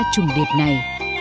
trùng điệp này